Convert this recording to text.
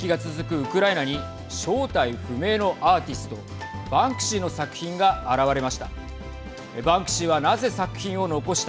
ウクライナに正体不明のアーティストバンクシーの作品が現れました。